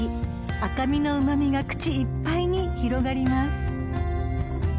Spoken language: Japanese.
［赤身のうま味が口いっぱいに広がります］